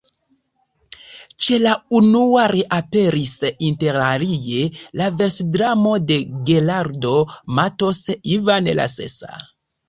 Ĉe la unua reaperis interalie la versdramo de Geraldo Mattos, Ivan la Sesa.